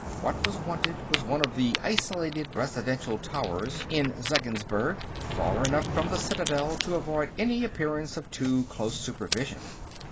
What was wanted was one of the isolated residential towers in Zeggensburg, far enough from the Citadel to avoid an appearance of too close supervision.